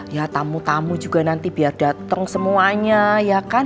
ya tamu tamu juga nanti biar datang semuanya ya kan